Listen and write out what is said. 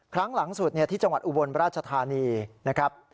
ครั้งหลังสุดที่จังหวัดอุบลราชธานีนะครับ